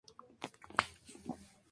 Fue además regidor de su ciudad natal.